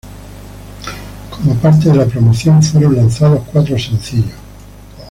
Como parte de la promoción fueron lanzados cuatro sencillos.